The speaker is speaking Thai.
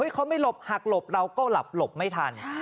เขาไม่หลบหักหลบเราก็หลับหลบไม่ทัน